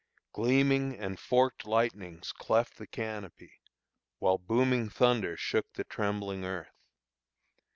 Gleaming and forked lightnings cleft the canopy, while booming thunder shook the trembling earth.